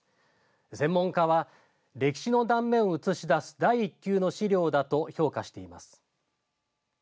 専門家は歴史の断面を映し出す第一級の史料だと評価しています。